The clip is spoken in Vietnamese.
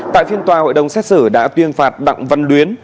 tại phiên tòa hội đồng xét xử đã tuyên phạt đặng văn luyến